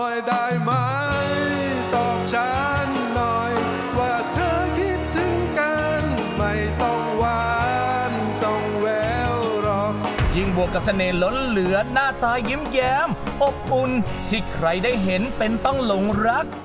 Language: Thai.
ยิ่งบวกกับเสน่ห์ล้นเหลือหน้าตายิ้มแย้มอบอุ่นที่ใครได้เห็นเป็นต้องหลงรัก